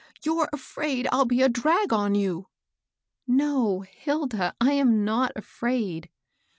You're afraid I'll be a drag on you." " No, Hilda ; I am not afraid."